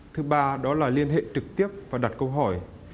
thứ ba đó là liên hệ trực tiếp và đặt câu hỏi